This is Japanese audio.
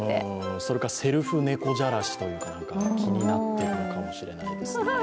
それかセルフ猫じゃらしというか、気になっているのかもしれないですね。